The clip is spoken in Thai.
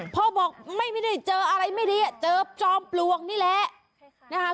บอกไม่ได้เจออะไรไม่ดีเจอจอมปลวกนี่แหละนะคะ